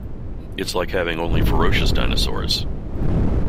It's like having only ferocious dinosaurs.